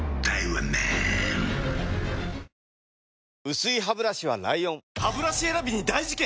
薄いハブラシは ＬＩＯＮハブラシ選びに大事件！